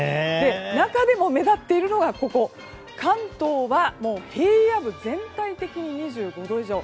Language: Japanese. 中でも目立っているのが関東は平野部全体的に２５度以上。